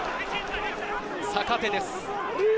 坂手です。